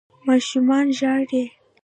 ماشومان ژاړي